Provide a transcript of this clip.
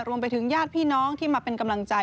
ญาติพี่น้องที่มาเป็นกำลังใจ